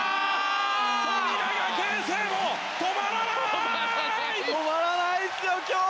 富永啓生も止まらない！